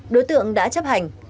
đối tượng đã chấp hành